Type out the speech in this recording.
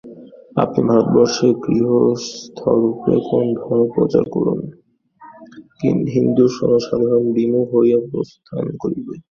আপনি ভারতবর্ষে গৃহস্থরূপে কোন ধর্ম প্রচার করুন, হিন্দু জনসাধারণ বিমুখ হইয়া প্রস্থান করিবে।